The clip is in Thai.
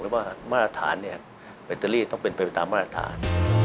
รภมาตรฐานบัตเตอรี่ต้องไปตามมาตรฐาน